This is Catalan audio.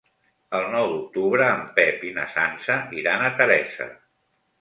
El nou d'octubre en Pep i na Sança iran a Teresa.